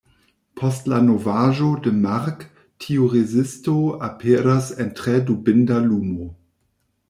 Post la novaĵo de Mark tiu rezisto aperas en tre dubinda lumo.